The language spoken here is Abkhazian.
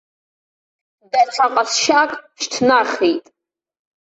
Даҽа ҟазшьак шьҭнахит.